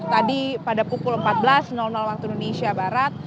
tadi pada pukul empat belas waktu indonesia barat